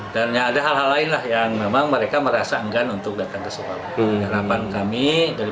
dan ada hal hal lainlah yang memang mereka merasa enggan untuk datang ke sekolah harapan kami dari